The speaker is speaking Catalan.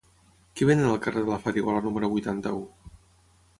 Què venen al carrer de la Farigola número vuitanta-u?